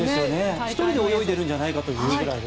１人で泳いでるんじゃないかというぐらい。